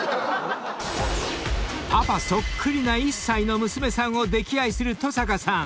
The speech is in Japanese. ［パパそっくりな１歳の娘さんを溺愛する登坂さん］